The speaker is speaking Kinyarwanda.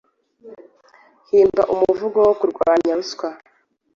Himba umuvugo wo kurwanya ruswa.